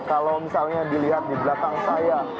kalau misalnya dilihat di belakang saya